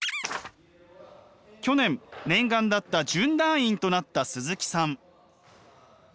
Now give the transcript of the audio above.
去年念願だった準団員となった鈴木さん。